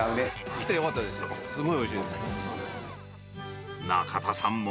来てよかったですよ、すごいおいしいです。